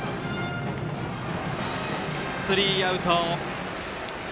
スリーアウト。